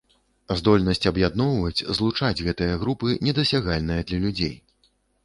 Здольнасць аб'ядноўваць, злучаць гэтыя групы недасягальная для людзей.